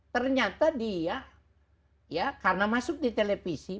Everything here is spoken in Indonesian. ternyata dia ya karena masuk di televisi